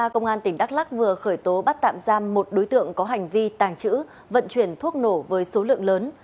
công an tỉnh đắk lắc vừa khởi tố bắt tạm giam một đối tượng có hành vi tàng trữ vận chuyển thuốc nổ với số lượng lớn